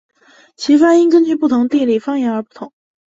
其发音根据不同地理方言而不同。